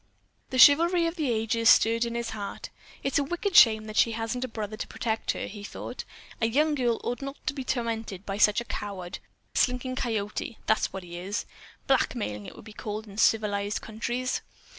The chivalry of the ages stirred in his heart. "It's a wicked shame that she hasn't a brother to protect her," he thought. "A young girl ought not to be tormented by such a coward. Slinking Coyote, that's what he is. Blackmailing, it would be called in civilized countries."